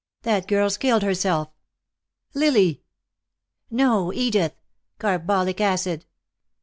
"That girl's killed herself." "Lily!" "No, Edith. Carbolic acid."